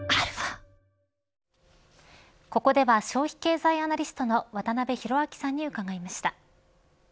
ここでは消費経済アナリストの渡辺広明さんに伺いました。